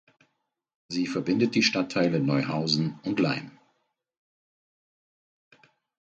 Sie verbindet die Stadtteile Neuhausen und Laim.